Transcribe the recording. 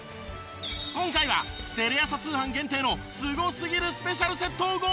今回はテレ朝通販限定のすごすぎるスペシャルセットをご用意！